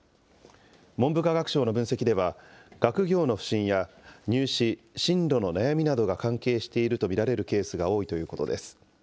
文部科学省の分析では、学業の不振や入試・進路の悩みなどが関係していると見られるケースが多いということです。